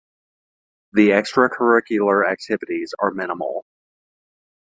The extracurricular activities are minimal.